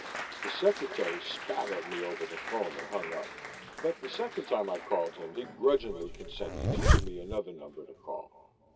The secretary spat at me over the phone and hung up, but the second time I called him he grudgingly consented to give me another number to call.